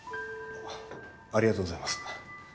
ありがとうございます。